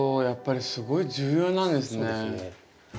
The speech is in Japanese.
やっぱりすごい重要なんですね。